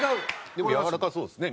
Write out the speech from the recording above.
でもやわらかそうですね。